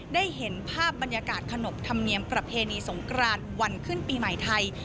ได้เห็นภาพบรรยากาศขนบธรรมเนียมประเพณีสงกรานวันขึ้นปีใหม่ไทย